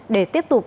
để tiếp tục thi công